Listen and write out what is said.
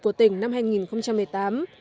của tỉnh năm hai nghìn một mươi tám